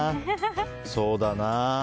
そうだな。